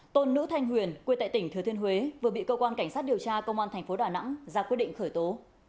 tôn nữ thanh huyền quê tại tỉnh thừa thiên huế vừa bị cơ quan cảnh sát điều tra công an thành phố đà nẵng ra quyết định khởi tố